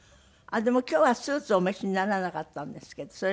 でも今日はスーツをお召しにならなかったんですけどそれは。